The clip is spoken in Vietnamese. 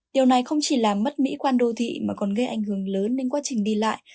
điều này không chỉ làm mất mỹ quan đô thị mà còn gây ảnh hưởng lớn đến quá trình đi lại